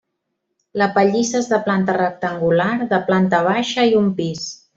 La pallissa és de planta rectangular, de planta baixa i un pis.